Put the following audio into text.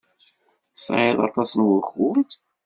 Tesɛiḍ aṭas n wakud?